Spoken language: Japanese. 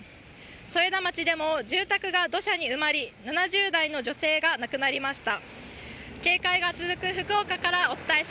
添田町でも住宅が土砂に埋まり、７０代の女性が亡くなりました。